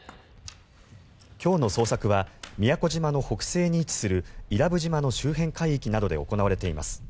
今日の捜索は宮古島の北西に位置する伊良部島の周辺海域などで行われています。